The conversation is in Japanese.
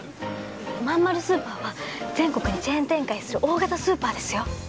まんまるスーパーは全国にチェーン展開する大型スーパーですよ。